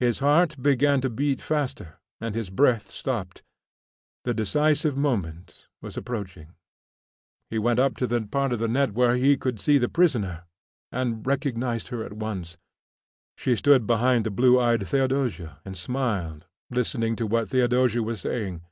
His heart began to beat faster, and his breath stopped. The decisive moment was approaching. He went up to the part of the net where he could see the prisoner, and recognised her at once. She stood behind the blue eyed Theodosia, and smiled, listening to what Theodosia was saying.